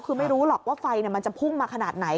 คือไม่รู้หรอกว่าไฟมันจะพุ่งมาขนาดไหน